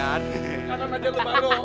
kanan aja lo baru